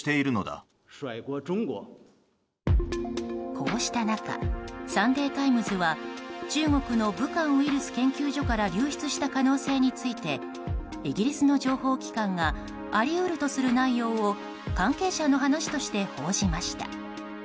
こうした中サンデー・タイムズは中国の武漢ウイルス研究所から流出した可能性についてイギリスの情報機関があり得るとする内容を関係者の話として報じました。